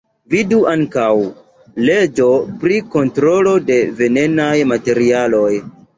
Vidu ankaŭ: leĝo pri kontrolo de venenaj materialoj.